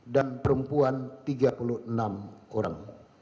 dan perempuan tiga puluh enam orang